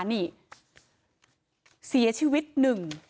นี่เสียชีวิตหนึ่ง